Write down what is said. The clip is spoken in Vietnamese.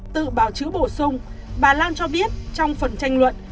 tự báo chứa bổ sung bà lan cho biết trong phần tranh luận